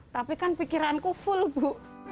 tapi kan pikiranku full bu